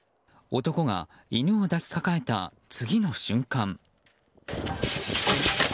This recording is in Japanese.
男が犬を抱きかかえた次の瞬間。